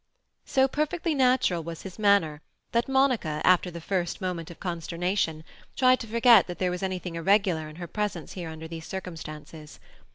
So perfectly natural was his manner, that Monica, after the first moment of consternation, tried to forget that there was anything irregular in her presence here under these circumstances.